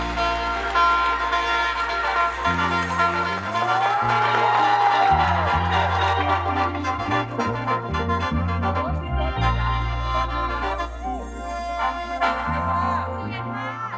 ใช่ครับ